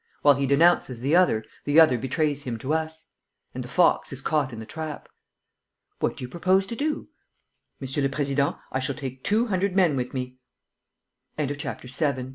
While he denounces the other, the other betrays him to us. And the fox is caught in the trap." "What do you propose to do?" "Monsieur le Président, I shall take two hundred men wit